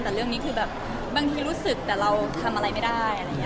แต่เรื่องนี้คือแบบบางทีรู้สึกแต่เราทำอะไรไม่ได้